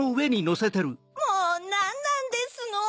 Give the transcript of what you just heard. もうなんなんですの？